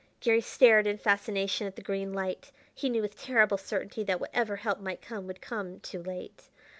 Garry stared in fascination at the green light. He knew with terrible certainty that whatever help might come would come too late.